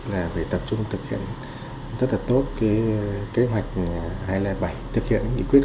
là phải tập trung thực hiện rất là tốt cái kế hoạch hai trăm linh bảy thực hiện nghị quyết